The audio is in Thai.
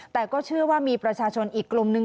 แต่ก็เชื่อว่ามีประชาชนอีกกลุ่มนึง